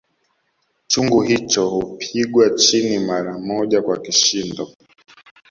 Chungu hicho hupigwa chini mara moja kwa kishindo